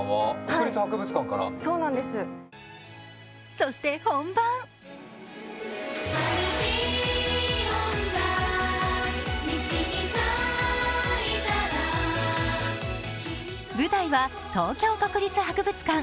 そして、本番舞台は東京国立博物館。